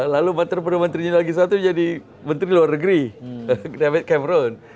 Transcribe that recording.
lalu mantan perdana menteri lagi satu jadi menteri luar negeri david cameron